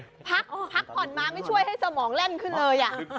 พักผ่อนมาไม่ช่วยให้สมองแล่นขึ้นเลย